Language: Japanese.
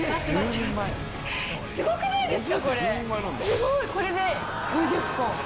すごいこれで５０本。